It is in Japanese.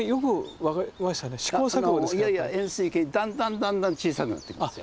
いやいや円すい形にだんだんだんだん小さくなっていくんですよ。